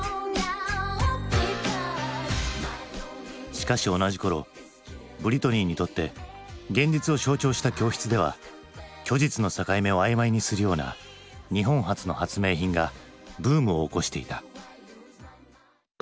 しかし同じころブリトニーにとって現実を象徴した教室では虚実の境目を曖昧にするような日本発の発明品がブームを起こしていた。